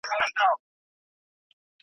لوبي له لمبو سره بل خوند لري ,